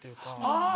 あぁ！